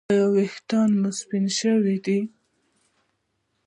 ایا ویښتان مو سپین شوي دي؟